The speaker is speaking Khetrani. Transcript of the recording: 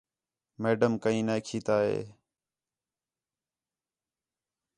میڈم کئیں نے کیتھا ہے